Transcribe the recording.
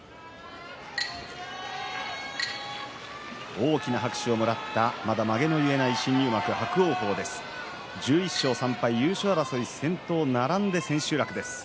大きな拍手をもらったまだまげの結えない新入幕伯桜鵬１１勝３敗優勝争い先頭並んでの千秋楽です。